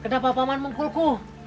kenapa pak man mengukulku